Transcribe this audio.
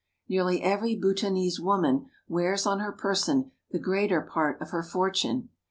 Nearly every Bhutanese woman wears on her person the greater part of her fortune.